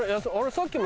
さっきも。